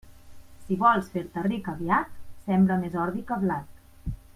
Si vols fer-te ric aviat, sembra més ordi que blat.